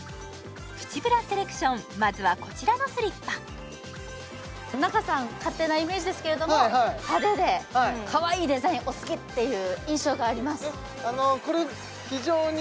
プチブラセレクションまずはこちらのスリッパ仲さん勝手なイメージですけれどもっていう印象があります